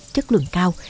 chất lượng cao